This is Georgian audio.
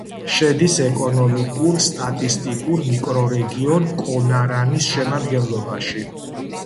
შედის ეკონომიკურ-სტატისტიკურ მიკრორეგიონ კონარანის შემადგენლობაში.